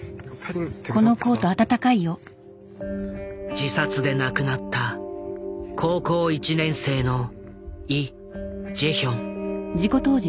自殺で亡くなった高校１年生のイ・ジェヒョン。